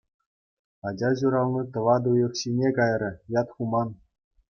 Ача ҫурални тӑватӑ уйӑх ҫине кайрӗ, ят хуман.